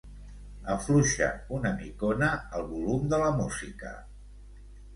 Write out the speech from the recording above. Afluixa una micona el volum de la música.